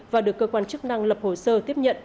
và được cơ quan chức năng lập hồ sơ tiếp nhận